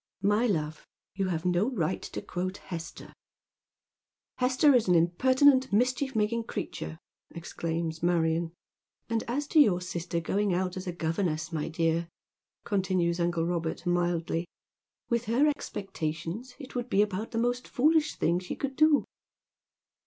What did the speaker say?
" My love, you have no right to quote Hester." 48 Dead MetCs SImcs. " Hester is an impertinent, mischief making creature," exclaims Marion. " And as to your sister going out as a governess, my dear," continues uncle Robert mildly, " with her expectations it would be about the most foolish thing she could do."